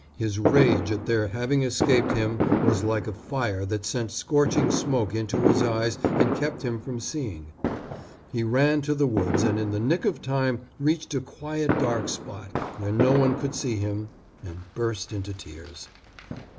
His rage at their having escaped him was like a fire that sent scorching smoke into his eyes and kept him from seeing. He ran to the woods and in the nick of time reached a quiet dark spot, where no one could see him, and burst into tears.